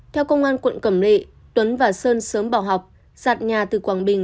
theo công an quận cầm lệ tuấn và sơn sớm bỏ học giặt nhà từ quảng bình